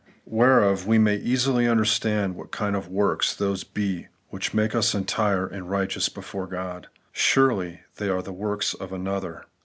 ... Hereof we may easily understand what kind of works those be which make us entire and righteous before God. Surely they are the works of another.